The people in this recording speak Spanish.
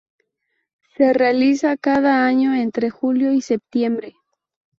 Se realiza cada año entre julio y septiembre.